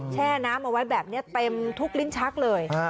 แช่น้ำเอาไว้แบบนี้เต็มทุกลิ้นชักเลย